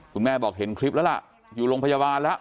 คุณแม่บอกเห็นคลิปแล้วล่ะอยู่โรงพยาบาลแล้ว